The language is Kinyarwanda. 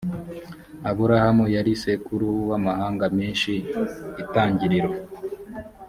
aburahamu yari sekuruza w amahanga menshi itangiriro